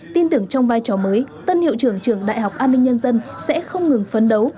tin tưởng trong vai trò mới tân hiệu trưởng trường đại học an ninh nhân dân sẽ không ngừng phấn đấu